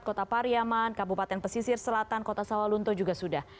kota pariaman kabupaten pesisir selatan kota sawalunto juga sudah